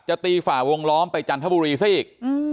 ตีฝ่าวงล้อมไปจันทบุรีซะอีก